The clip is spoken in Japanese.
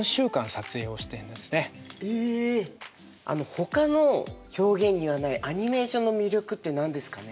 ほかの表現にはないアニメーションの魅力って何ですかね？